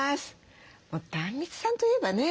もう壇蜜さんといえばね